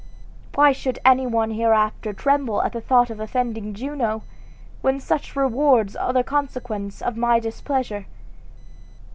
Why should any one hereafter tremble at the thought of offending Juno, when such rewards are the consequence of my displeasure?